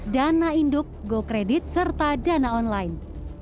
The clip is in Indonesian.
dana induk go kredit serta dana online